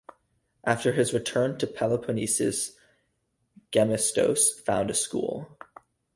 After his return to the Peloponnese, Gemistos founded a school.